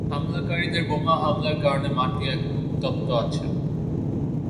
হামলাকারীদের বোমা হামলার কারণে মাটি এখনও উত্তপ্ত আছে।